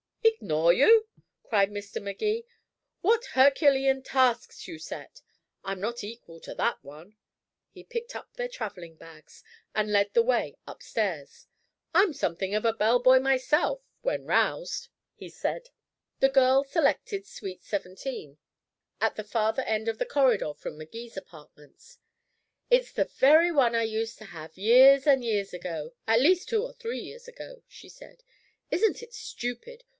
"Ignore you," cried Mr. Magee. "What Herculean tasks you set. I'm not equal to that one." He picked up their traveling bags and led the way up stairs. "I'm something of a bell boy myself, when roused," he said. The girl selected suite seventeen, at the farther end of the corridor from Magee's apartments. "It's the very one I used to have, years and years ago at least two or three years ago," she said. "Isn't it stupid?